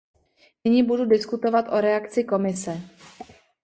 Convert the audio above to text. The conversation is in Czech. Nyní budu diskutovat o reakci Komise.